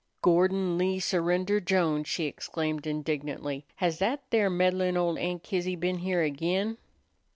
"Gordon Lee Surrender Jones," she exclaimed indignantly, "has that there meddlin' ol' Aunt Kizzy been here again?"